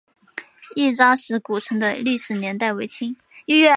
亦扎石古城的历史年代为清。